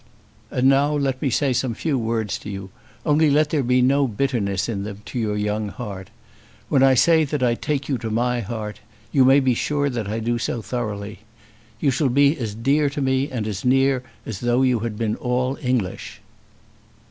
"And now let me say some few words to you, only let there be no bitterness in them to your young heart. When I say that I take you to my heart, you may be sure that I do so thoroughly. You shall be as dear to me and as near as though you had been all English."